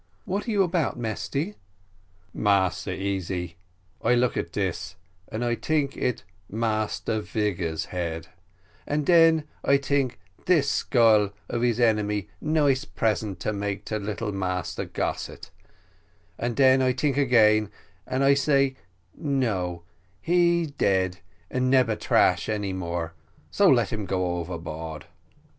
"What are you about, Mesty?" "Massa Easy, I look at dis, and I tink it Massa Vigor's head, and den I tink dis skull of his enemy nice present make to little Massa Gossett; and den I tink again, and I say, no, he dead and nebber thrash any more so let him go overboard."